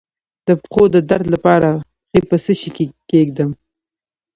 د پښو د درد لپاره پښې په څه شي کې کیږدم؟